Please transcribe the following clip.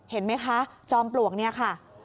เห็นไหมคะจอมปลวกเนี่ยค่ะ